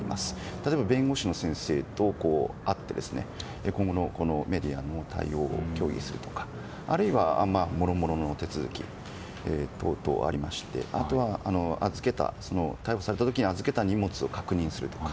例えば弁護士の先生と会って今後のメディアの対応を協議するとかあるいはもろもろの手続き等々ありましてあとは、逮捕された時に預けた荷物を確認するとか。